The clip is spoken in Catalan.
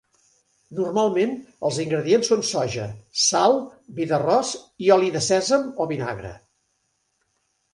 Normalment els ingredients són soja, sal, vi d'arròs i oli de sèsam o vinagre.